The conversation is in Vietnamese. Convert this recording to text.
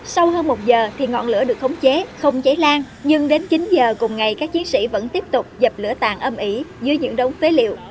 sau hơn một giờ thì ngọn lửa được khống chế không cháy lan nhưng đến chín giờ cùng ngày các chiến sĩ vẫn tiếp tục dập lửa tàn âm ỉ dưới những đống phế liệu